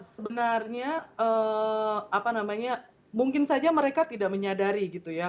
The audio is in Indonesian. sebenarnya apa namanya mungkin saja mereka tidak menyadari gitu ya